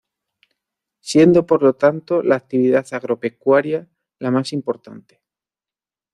Siendo por lo tanto la actividad agropecuaria la más importante.